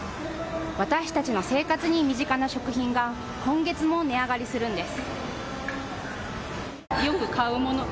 私たちの生活に身近な食品が今月も値上がりするんです。